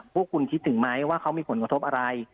พวกคุณคิดถึงไหมว่าเขามีผลกระทบอะไร